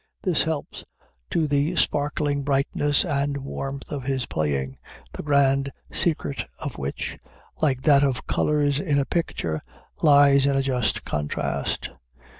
This helps to the sparkling brightness and warmth of his playing, the grand secret of which, like that of colors in a picture, lies in a just contrast.